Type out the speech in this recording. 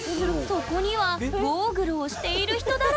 そこにはゴーグルをしている人だらけ！